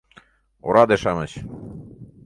Ораде-шамыч!